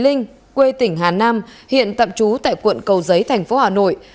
nguyễn thủy linh quê tỉnh hà nam hiện tạm trú tại quận cầu giấy thành phố hà nội